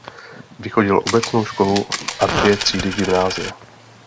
Vychodil obecnou školu a dvě třídy gymnázia.